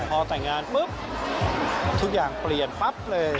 พอแต่งงานปุ๊บทุกอย่างเปลี่ยนปั๊บเลย